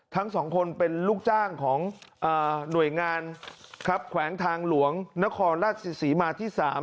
ทั้งสองคนเป็นลูกจ้างของหน่วยงานครับแขวงทางหลวงนครราชศรีมาที่๓